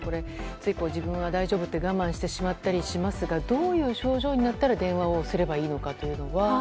つい、自分は大丈夫と我慢してしまったりしますがどういう症状になったら電話をすればいいのかというのは。